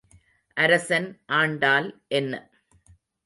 அரசன் ஆண்டால் என்ன?